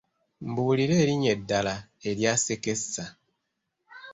Mbuulira erinnya eddala erya ssekesa?